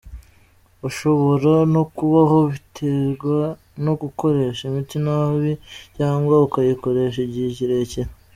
Hashobora no kubaho ibiterwa no gukoresha imiti nabi cyangwa ukayikoresha igihe kirekire.